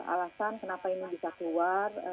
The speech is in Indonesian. alasan kenapa ini bisa keluar